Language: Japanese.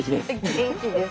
元気です。